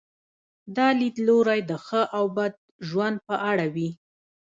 دا لیدلوری د ښه او بد ژوند په اړه وي.